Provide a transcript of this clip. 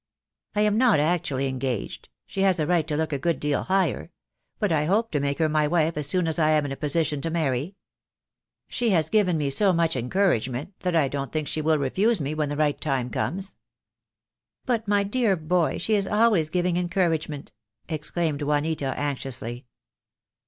"I am not actually engaged — she has a right to look a good deal higher — but I hope to make her my wife as soon as I am in a position to marry. She has given me so much encouragement that I don't think she will refuse me when the right time comes." THE DAY WILL COME. 23 I "But, ray dear boy, she is always giving encourage ment," exclaimed Juanita, anxiously.